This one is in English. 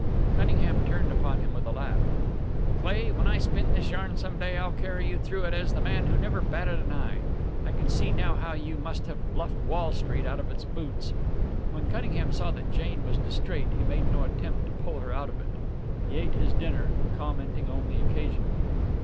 Cunningham turned upon him with a laugh. "Cleigh, when I spin this yarn some day I'll carry you through it as the man who never batted an eye. I can see now how you must have bluffed Wall Street out of its boots." When Cunningham saw that Jane was distrait he made no attempt to pull her out of it. He ate his dinner, commenting only occasionally.